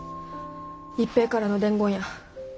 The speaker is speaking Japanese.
一平からの伝言や。